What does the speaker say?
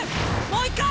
もう一回！